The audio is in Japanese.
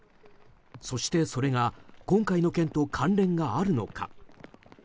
そして、それが今回の件と関連があるのか。